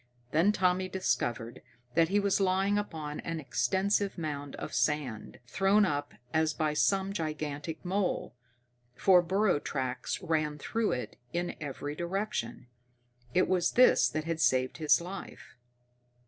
Then Tommy discovered that he was lying upon an extensive mound of sand, thrown up as by some gigantic mole, for burrow tracks ran through it in every direction. It was this that had saved his life.